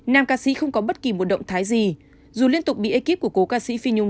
nam ca sĩ không có bất kỳ một động thái gì dù liên tục bị ekip của cố ca sĩ phi nhung